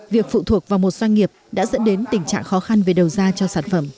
việc phụ thuộc vào một doanh nghiệp đã dẫn đến tình trạng khó khăn về đầu ra cho sản phẩm